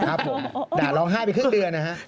ครับผมด่าร้องไห้ไปครึ่งเดือนนะฮะ